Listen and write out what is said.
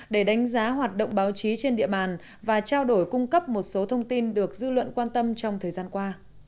để đánh giá hoạt động báo chí trên địa bàn và trao đổi cung cấp một số thông tin được dư luận quan tâm trong thời gian qua